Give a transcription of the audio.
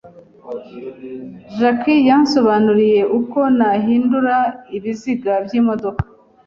Jack yansobanuriye uko nahindura ibiziga by'imodoka.